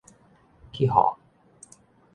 去予